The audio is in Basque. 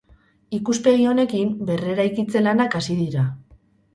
Ikuspegi honekin berreraikitze lanak hasi dira.